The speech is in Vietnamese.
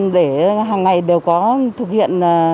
để hằng ngày đều có thực hiện